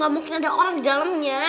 gak mungkin ada orang di dalamnya